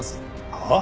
はあ？